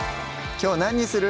きょう何にする？